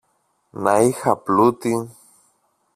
Να είχα πλούτη!